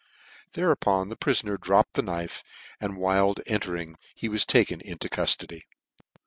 Hereupon the pri foner dropped the knife ; and Wild entering, he was taken into cuftody.